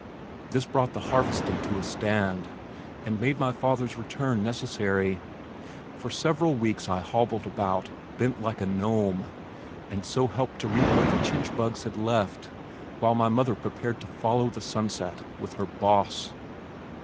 This brought the harvesting to a stand, and made my father's return necessary. For several weeks I hobbled about, bent like a gnome, and so helped to reap what the chinch bugs had left, while my mother prepared to "follow the sunset" with her "Boss."